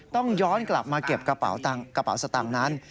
ต้องย้อนกลับมาเก็บกระเป๋าสตางค์นั้น